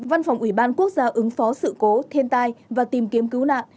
văn phòng ủy ban quốc gia ứng phó sự cố thiên tai và tìm kiếm cứu nạn